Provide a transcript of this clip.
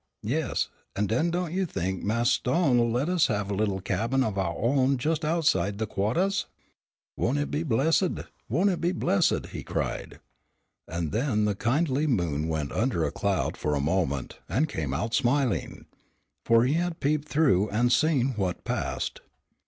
"Yes, an' den don't you think Mas' Stone'll let us have a little cabin of ouah own jest outside de quahtahs?" "Won't it be blessid? Won't it be blessid?" he cried, and then the kindly moon went under a cloud for a moment and came out smiling, for he had peeped through and had seen what passed.